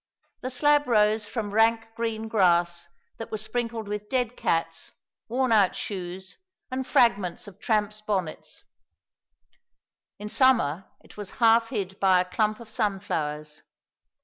The slab rose from rank green grass that was sprinkled with dead cats, worn out shoes, and fragments of tramps' bonnets; in summer it was half hid by a clump of sunflowers.